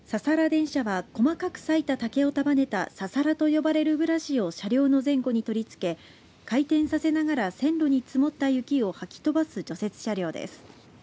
電車は細かく裂いた竹を束ねたササラと呼ばれるブラシを車両の前後に取り付け回転させながら線路に積もった雪をはき飛ばす除雪車両です。